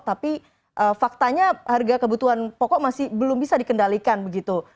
tapi faktanya harga kebutuhan pokok masih belum bisa dikendalikan begitu